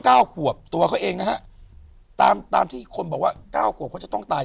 เก้าขวบตัวเขาเองนะฮะตามตามที่คนบอกว่าเก้าขวบเขาจะต้องตาย